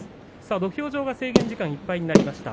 土俵上が制限時間いっぱいになりました。